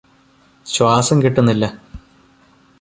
ശ്വാസം കിട്ടുന്നില്ല